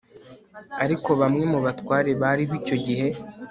ariko bamwe mu batware bariho icyo gihe